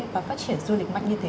và phát triển du lịch mạnh như thế